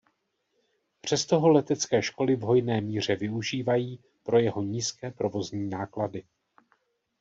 Přesto ho letecké školy v hojné míře využívají pro jeho nízké provozní náklady.